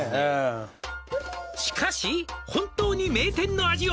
「しかし本当に名店の味を」